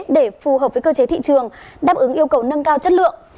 để phù hợp với cơ chế thị trường đáp ứng yêu cầu nâng cao chất lượng